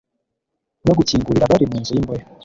no gukingurira abari mu nzu y'imbohe,